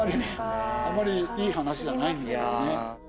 あんまりいい話じゃないんですけどね。